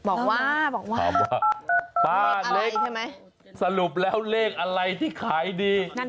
ป้าเล็กสรุปแล้วเลขอะไรที่ขายดี